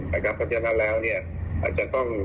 แต่กับประชาชนนั้นแล้วอาจจะต้อง